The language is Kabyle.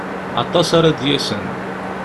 Aṭas ara d-yasen.